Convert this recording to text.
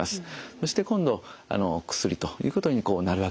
そして今度薬ということになるわけです。